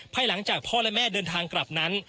หลังจากพ่อและแม่เดินทางกลับนั้น